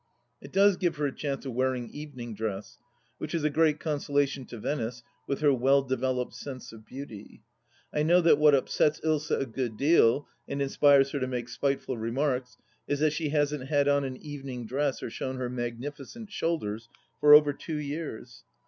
It does give her a chance of wearing evening dress, which is a great consolation to Venice, with her well developed sense of beauty. I know that what upsets Ilsa a good deal and inspires her to make spiteful remarks, is that she hasn't had on an evening dress or shown her magnificent shoulders for over two years.